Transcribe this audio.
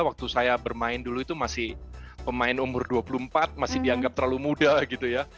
waktu saya bermain dulu itu masih pemain umur dua puluh empat masih dianggap terlalu muda gitu ya